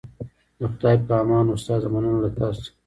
د خدای په امان استاده مننه له تاسو څخه